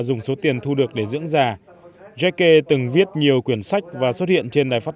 dùng số tiền thu được để dưỡng già ye từng viết nhiều quyển sách và xuất hiện trên đài phát